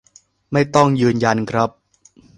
ไม่ต้องยืนยันครับ